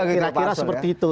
kira kira seperti itu